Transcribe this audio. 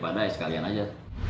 bagaimana sekalian saja